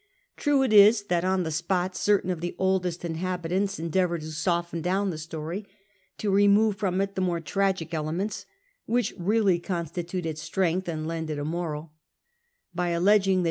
Tnie it is that on the spot certain of the oldest inhabitants endeavour to soften down the story, to re move from it the more tragic elements — which really constitute its strength, and lend it a moi'al — by alleging that